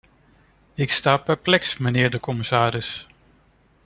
Ik sta perplex, mijnheer de commissaris!